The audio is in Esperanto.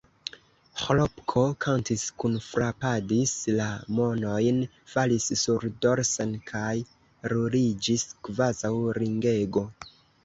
Ĥlopko kantis, kunfrapadis la manojn, falis surdorsen kaj ruliĝis kvazaŭ ringego.